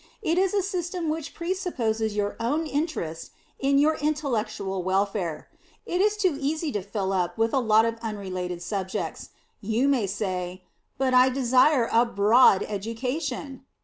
It is a system which presupposes your own interest in your intellectual welfare. It is too easy to fill up with a lot of unrelated subjects. You may say, "But I desire a broad education."